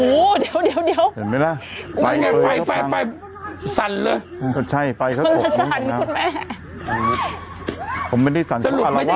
สรุปไม่ได้กินกันกดลูกมันไม่ได้กินกัน